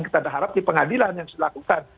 kita berharap di pengadilan yang harus dilakukan